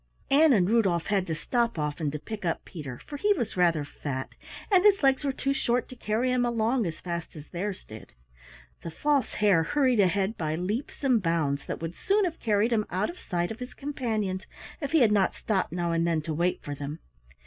Ann and Rudolf had to stop often to pick up Peter, for he was rather fat and his legs were too short to carry him along as fast as theirs did. The False Hare hurried ahead by leaps and bounds that would soon have carried him out of sight of his companions if he had not stopped now and then to wait for them.